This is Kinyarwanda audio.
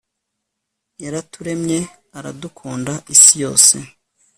yaraturemye aradukunda, isi yose